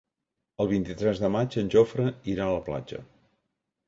El vint-i-tres de maig en Jofre irà a la platja.